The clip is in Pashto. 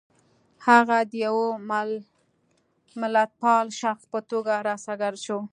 هغه د یوه ملتپال شخص په توګه را څرګند شو.